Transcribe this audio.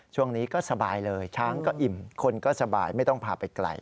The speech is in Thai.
ช่วงนี้ก็สบายเลยช้างก็อิ่มคนก็สบายไม่ต้องพาไปไกล